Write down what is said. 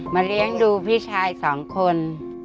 เลี้ยงดูพี่ชายสองคน